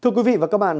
thưa quý vị và các bạn